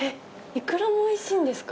イクラもおいしいんですか？